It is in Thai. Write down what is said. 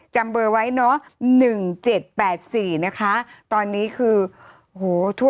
จำเบอร์ไว้เนอะ๑๗๘๔นะคะตอนนี้คือโหทั่ว